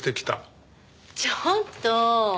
ちょっと！